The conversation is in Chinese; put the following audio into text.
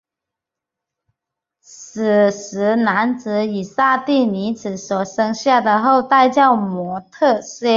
吠舍男子与刹帝利女子所生下的后代叫做摩偈闼。